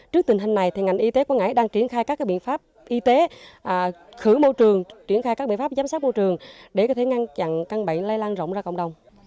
trước tình hình này ngành y tế quảng ngãi đang triển khai các biện pháp y tế khử môi trường triển khai các biện pháp giám sát môi trường để có thể ngăn chặn căn bệnh lây lan rộng ra cộng đồng